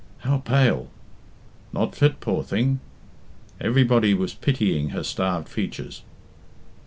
"How pale!" "Not fit, poor thing." Everybody was pitying her starved features.